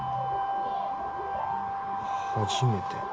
初めて？